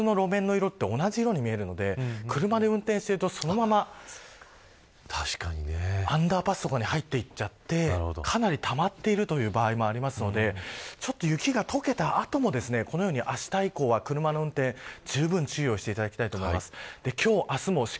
水がたまっている所と普通の路面の色って同じ色に見えるので車で運転していると、そのままアンダーパスとかに入っていっちゃってかなりたまっている場合もあるのでちょっと雪が解けた後もこのように、あした以降は車の運転に、じゅうぶん注意をしていただきたいと思います。